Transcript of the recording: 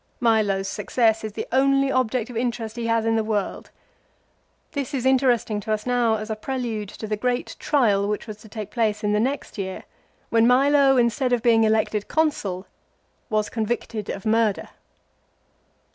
Milo's success is the only object of interest he has in the world. This is interesting to us now as a prelude to the great trial which was to take place in the next year, when Milo instead of being elected Consul was conyicted of murder.